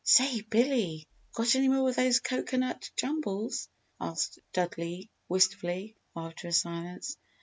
"Say, Billy, got any more of them cocoanut jumbles?" asked Dudley, wistfully, after a silence.